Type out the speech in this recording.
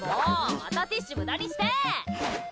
またティッシュ無駄にして！